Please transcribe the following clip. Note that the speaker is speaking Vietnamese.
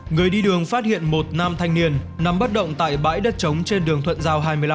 người đi đường phát hiện một nam thanh niên nằm bất động tại bãi đất trống trên đường thuận giao hai mươi năm